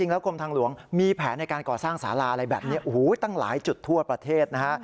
บอกว่านี่เป็นสารามหมาเมิน